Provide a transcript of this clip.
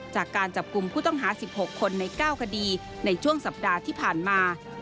จากการจับกลุ่มผู้ต้องหา๑๖คนใน๙คดีในช่วงสัปดาห์ที่ผ่านมา